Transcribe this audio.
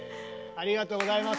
ありがとうございます。